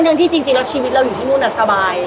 ทั้งที่จริงแล้วชีวิตเราอยู่ที่นู่นสบาย